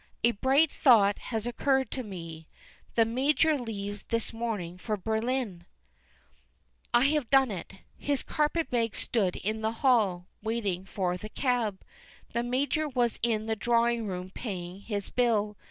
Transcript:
A bright thought has occurred to me the Major leaves this morning for Berlin. I have done it his carpet bag stood in the hall, waiting for the cab. The Major was in the drawing room paying his bill.